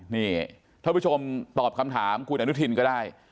นี่ท่านผู้ชมตอบคำถามคุณอนุทินก็ได้